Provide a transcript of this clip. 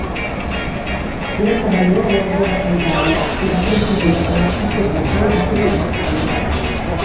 Era cavaller de l'Orde de Sant Jaume, i va presidir la Reial Societat Geogràfica d'Espanya.